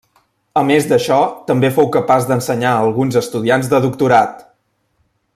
A més d'això també fou capaç d'ensenyar a alguns estudiants de doctorat.